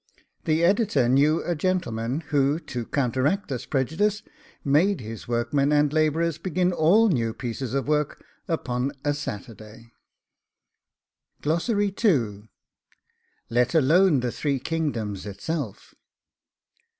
The Editor knew a gentleman, who, to counteract this prejudice, made his workmen and labourers begin all new pieces of work upon a Saturday. LET ALONE THE THREE KINGDOMS ITSELF.